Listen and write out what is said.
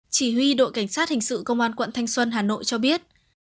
chỉ huy đội cảnh sát hình sự công an quận thanh xuân hà nội cho biết